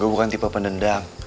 gue bukan tipe pendendam